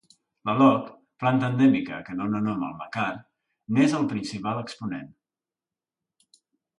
L'aloc, planta endèmica que dóna nom al macar, n'és el principal exponent.